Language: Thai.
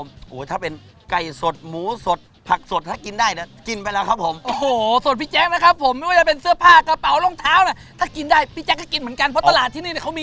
ไม่เผ็ดมากอร่อยมากครับผมนั่วนี่ห่อผักสักนิดนึงนะครับ